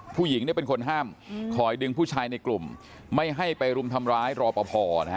ผู้หญิงเนี่ยเป็นคนห้ามคอยดึงผู้ชายในกลุ่มไม่ให้ไปรุมทำร้ายรอปภนะฮะ